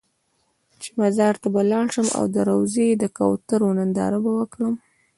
چې مزار ته به لاړ شم او د روضې د کوترو ننداره به وکړم.